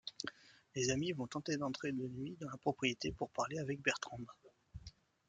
Les amis vont tenter d'entrer de nuit dans la propriété pour parler avec Bertrande.